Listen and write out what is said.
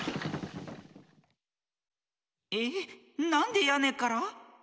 えっなんでやねから？